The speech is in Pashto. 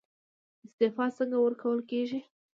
استعفا څنګه ورکول کیږي؟